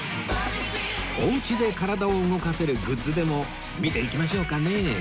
お家で体を動かせるグッズでも見ていきましょうかね